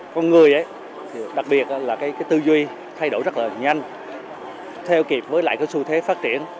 con người đặc biệt là tư duy thay đổi rất nhanh theo kịp với lại xu thế phát triển